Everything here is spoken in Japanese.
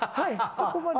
そこまで。